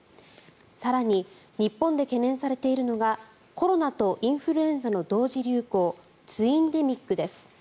更に、日本で懸念されているのがコロナとインフルエンザの同時流行、ツインデミックです。